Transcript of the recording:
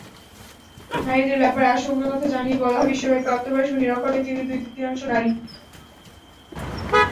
নারীদের ব্যাপারে আশঙ্কার কথা জানিয়ে বলা হয়, বিশ্বব্যাপী প্রাপ্তবয়স্ক নিরক্ষর ব্যক্তিদের দুই-তৃতীয়াংশই নারী।